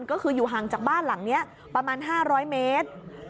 ก็คืออยู่ห่างจากบ้านหลังนี้ประมาณ๕๐๐เมตร